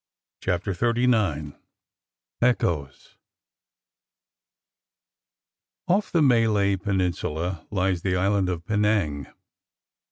CHAPTER XXXIX ECHOES OFF the Malay peninsula lies the island of Penang.